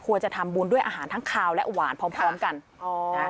จะทำบุญด้วยอาหารทั้งคาวและหวานพร้อมพร้อมกันอ๋อนะ